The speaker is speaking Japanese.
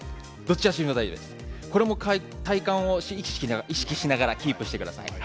これは体幹を意識しながらキープしてください。